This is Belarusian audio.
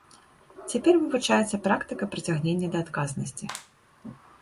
Цяпер вывучаецца практыка прыцягнення да адказнасці.